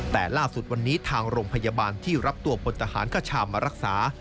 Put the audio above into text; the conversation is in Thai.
แต่ล่าสุดวันนี้ทางโรงพยาบาลที่รับตัวพลทหารคชามารักษา